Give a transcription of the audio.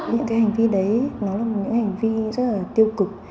những cái hành vi đấy nó là những cái hành vi rất là tiêu cực